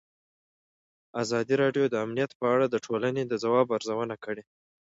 ازادي راډیو د امنیت په اړه د ټولنې د ځواب ارزونه کړې.